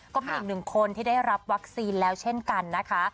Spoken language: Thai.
ก็เป็นอีกหนึ่งคนที่ได้รับวัคซีนแล้วเช่นกันนะคะ